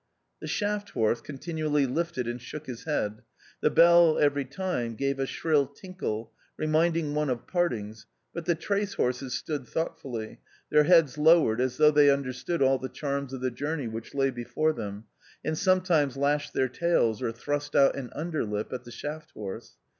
The shaft horse continually lifted and shook his head. The bell every time gave a shrill tinkle, reminding one of partings, but the trace horses stood thoughtfully, their heads lowered, as though they understood all the charms of the journey which lay before them, and sometimes lashed their tails or thrust out an underlip at the shaft horse.